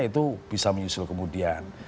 itu bisa menyusul kemudian